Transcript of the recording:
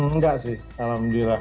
enggak sih alhamdulillah